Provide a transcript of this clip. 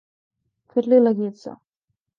Fer-li la guitza.